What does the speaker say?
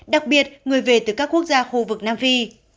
đặc biệt người về từ các quốc gia khu vực nam phi